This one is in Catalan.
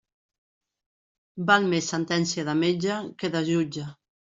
Val més sentència de metge que de jutge.